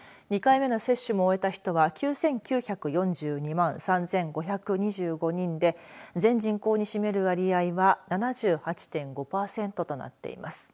２回目の接種も終えた人は９９４２万３５２５人で全人口に占める割合は７８．５パーセントとなっています。